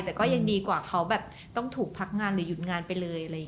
แต่ก็ยังดีกว่าเขาต้องถูกพักงานหรือยุดงานไปเลย